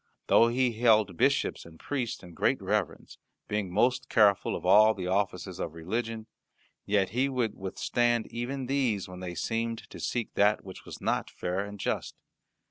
Though he held bishops and priests in great reverence, being most careful of all the offices of religion, yet he would withstand even these when they seemed to seek that which was not fair and just.